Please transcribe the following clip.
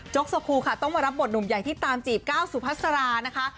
โจ๊กสโฮคูค่ะต้องมารับบทนุ่มใหญ่ที่ตามจีบก้าวสุภาษานะคะ